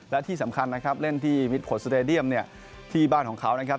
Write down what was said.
และที่สำคัญนะครับเล่นที่มิดผลสเตดียมเนี่ยที่บ้านของเขานะครับ